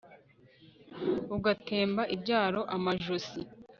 ugatema ibyaro amajosi